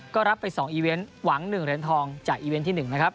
ก็รับไป๒อีเวนต์หวัง๑เหรียญทองจากอีเวนต์ที่๑นะครับ